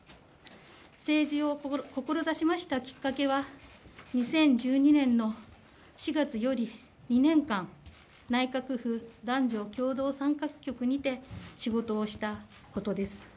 政治を志しましたきっかけは２０１２年の４月より２年間、内閣府男女共同参画局にて活動したことでした。